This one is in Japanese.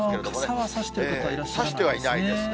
傘は差してる方はいないですね。